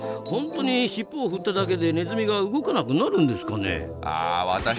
本当にしっぽを振っただけでネズミが動かなくなるんですかね？